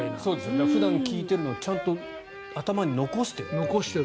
普段聴いているのをちゃんと頭に残している。